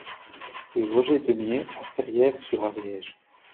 Rue Roger Deumié à Ferrières-sur-Ariège